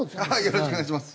よろしくお願いします。